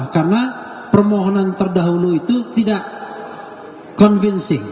karena permohonan terdahulu itu tidak convincing